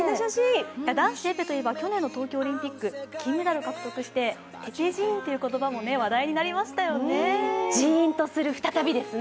男子エペといえば去年の東京オリンピック、金メダルを獲得してエピジーンという言葉も話題になりましたよね。